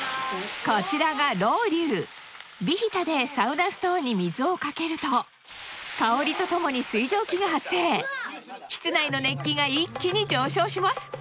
こちらがロウリュヴィヒタでサウナストーンに水をかけると香りとともに水蒸気が発生室内の熱気が一気に上昇します